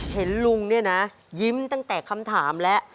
เห็นลุงเนี่ยนะยิ้มตั้งแต่คำถามแล้ว